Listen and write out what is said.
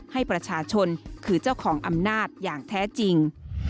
ให้ประชาชนคือเจ้าของอำนาจอย่างแท้จริง